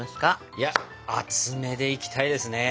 いや厚めでいきたいですね。